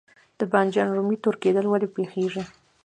د بانجان رومي تور کیدل ولې پیښیږي؟